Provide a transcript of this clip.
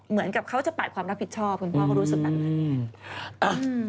เหมือนกับเขาจะปาดความรับผิดชอบคุณพ่อเขารู้สึกแบบนั้นไง